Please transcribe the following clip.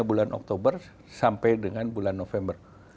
bulan oktober sampai dengan bulan november